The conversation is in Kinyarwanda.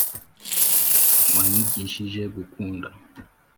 wanyigishije gukunda.